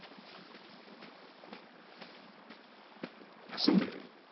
休んでいる？